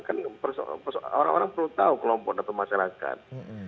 kan orang orang perlu tahu kelompok atau masyarakat